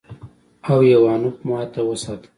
او ايوانوف ماته وساته.